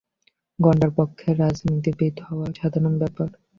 গুন্ডার পক্ষে রাজনীতিবিদ হওয়া সাধারণ ব্যাপার।